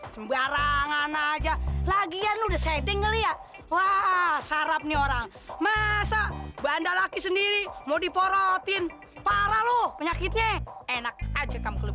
sedeng sedeng sedeng sedeng saya tidak mengerti bahasa kamu